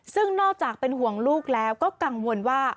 ซึ่งนอกจากเป็นห่วงลูกแล้วก็กังวลว่า